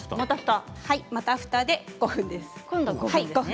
またふたで５分です。